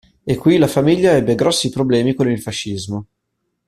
E qui la famiglia ebbe grossi problemi con il fascismo.